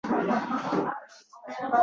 Rahmat sizga oq qorani siz deb bildik